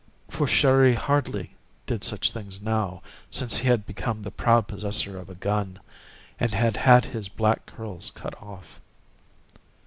For Chéri hardly did such things now, since he had become the proud possessor of a gun, and had had his black curls cut off.